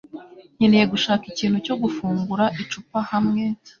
Nkeneye gushaka ikintu cyo gufungura icupa hamwe.